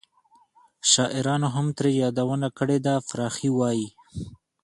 شاعرانو هم ترې یادونه کړې ده. فرخي وایي: